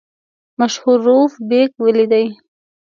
مشهور رووف بېګ ولیدی.